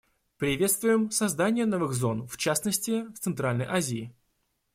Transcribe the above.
Приветствуем создание новых зон, в частности в Центральной Азии.